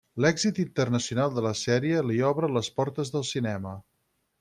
L'èxit internacional de la sèrie li obre les portes del cinema.